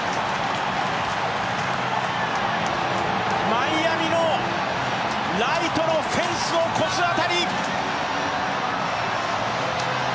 マイアミのライトのフェンスを越す当たり。